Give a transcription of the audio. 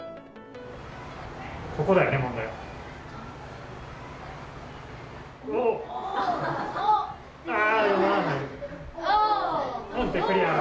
ここだよね問題は。